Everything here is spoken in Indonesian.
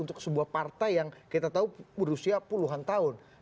untuk sebuah partai yang kita tahu berusia puluhan tahun